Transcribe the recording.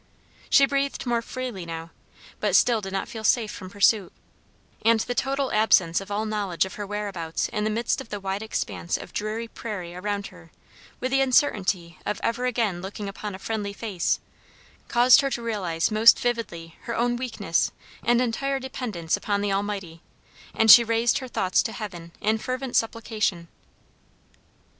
She breathed more freely now, but still did not feel safe from pursuit; and the total absence of all knowledge of her whereabouts in the midst of the wide expanse of dreary prairie around her, with the uncertainty of ever again looking upon a friendly face, caused her to realize most vividly her own weakness and entire dependence upon the Almighty, and she raised her thoughts to Heaven in fervent supplication.